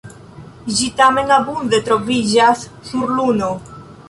Ĝi tamen abunde troviĝas sur Luno.